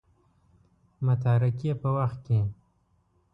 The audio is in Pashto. متارکې په وخت کې.